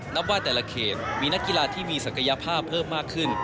นับว่าแต่ละเขตมีนักกีฬาที่มีศักยภาพเพิ่มมากขึ้น